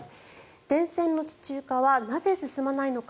電線の地中化はなぜ進まないのか